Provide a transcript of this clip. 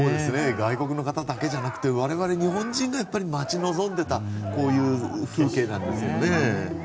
外国の方だけじゃなくて我々日本人が待ち望んでたこういう風景なんですよね。